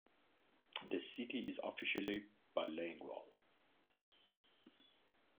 The city is officially bilingual.